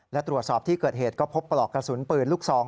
และตรวจสอบที่เกิดเหตุก็พบปลอกกระสุนปืนลูกซอง